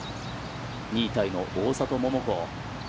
２位タイの大里桃子。